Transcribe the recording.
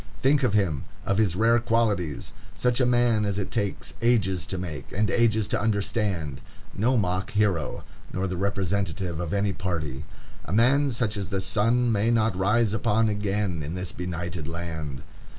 Think of him,—of his rare qualities!—such a man as it takes ages to make, and ages to understand; no mock hero, nor the representative of any party. A man such as the sun may not rise upon again in this benighted land.